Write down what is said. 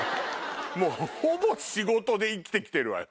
もうほぼ仕事で生きて来てるわよ。